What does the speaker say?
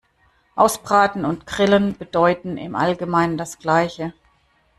Ausbraten und grillen bedeuten im Allgemeinen das gleiche.